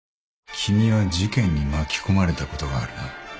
君は事件に巻き込まれたことがあるな。